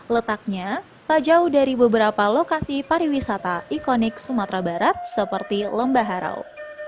letaknya tak jauh dari beberapa lokasi pariwisata ikonik sumatera barat seperti lembah harau